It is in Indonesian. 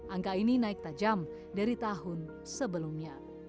angka ini naik tajam dari tahun sebelumnya